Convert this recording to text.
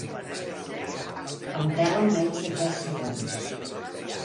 Em pela en menys de tres segons.